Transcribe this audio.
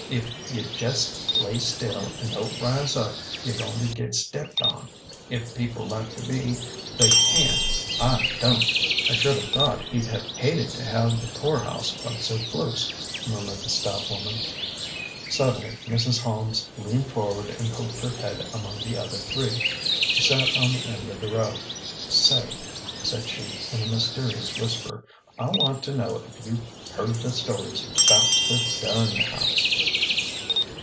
If you jest lay still an' don't rise up, you're goin' to get stepped on. If people like to be, they can ; I don't." "I should have thought he'd have hated to have the poor house quite so close," murmured the stout woman. Suddenly Mrs. Holmes leaned forward and poked her head among the other three. She sat on the end of the row. Say," said she, in a mysterious whisper, " I want to know if you've heard the stories 'bout the Dunn house